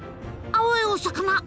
青いお魚！